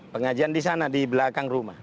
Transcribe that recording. pengajian di sana di belakang rumah